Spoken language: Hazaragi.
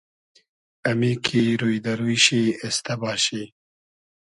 امی کی روی دۂ روی شی اېستۂ باشی